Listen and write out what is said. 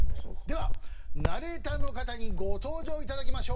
ではナレーターの方にご登場頂きましょう！